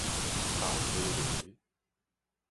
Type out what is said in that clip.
頭犁犁